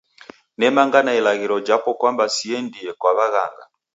Nemanga na ilaghiro japo kwamba siendie kwa waghanga